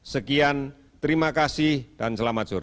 sekian terima kasih dan selamat sore